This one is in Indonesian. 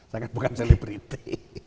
saya kan bukan selebriti